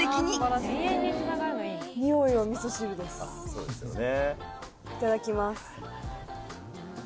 そうですよね。